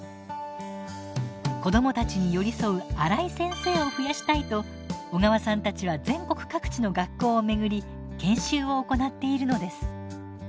子どもたちに寄り添うアライ先生を増やしたいと小川さんたちは全国各地の学校を巡り研修を行っているのです。